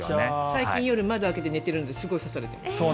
最近夜窓を開けて寝るのですごく刺されてます。